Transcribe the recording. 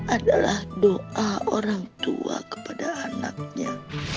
adalah doa orang tua kepada anaknya